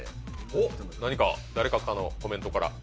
おっ何か誰かからのコメントから。